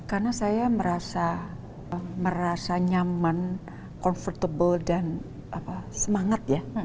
karena saya merasa nyaman comfortable dan semangat ya